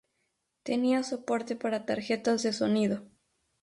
Tenía soporte para tarjetas de sonido.